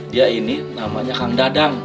dia ini namanya kang dadang